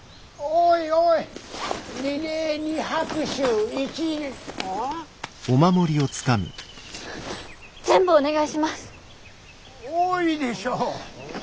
多いでしょ。